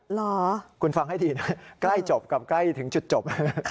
เหรอคุณฟังให้ดีนะใกล้จบกับใกล้ถึงจุดจบ